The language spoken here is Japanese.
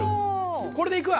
これでいくわ！